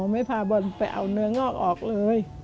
ไม่พาบอลไปเอาเนื้องอกออกเลย